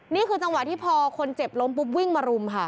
นี่คือจังหวะที่พอคนเจ็บล้มปุ๊บวิ่งมารุมค่ะ